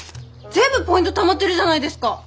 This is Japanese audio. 全部ポイントたまってるじゃないですか？